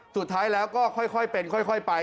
สุดท้ายแล้วก็ค่อยเป็นค่อยไป